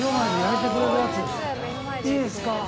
いいですか？